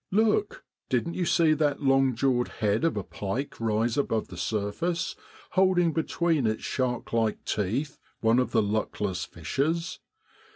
Look ! didn't you see that long jawed head of a pike rise above the surface, holding between his shark like teeth one of the luckless fishes